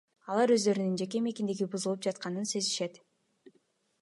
Алар өздөрүнүн жеке мейкиндиги бузулуп жатканын сезишет.